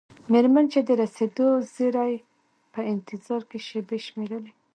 میرمن چې د رسیدو د زیري په انتظار کې شیبې شمیرلې.